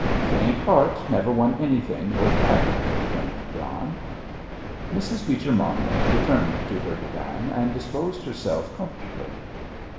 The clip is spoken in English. "Faint heart never won anything worth having," returned John. Mrs. Beecher Monmouth returned to her divan and disposed herself comfortably.